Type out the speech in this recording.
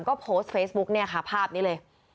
ก็โพสต์เฟซบุ๊กเนี่ยค่ะภาพนี้เลย